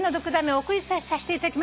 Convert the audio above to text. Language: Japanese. お送りさせていただきました」